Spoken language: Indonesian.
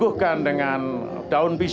artinya orang yang ingin menikmati harus menikmati